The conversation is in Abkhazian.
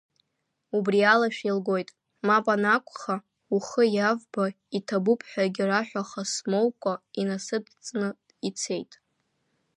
Убриала шәеилгоит, мап анакәха, ухы иавба, иҭабуп ҳәагьы раҳәаха смоукәа, инасыдҵны ицеит.